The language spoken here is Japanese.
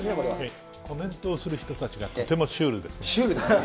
コメントをする人たちがとてシュールですね。